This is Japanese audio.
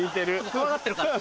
怖がってるから。